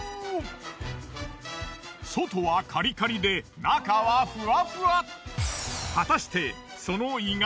外はカリカリで中はふわふわ。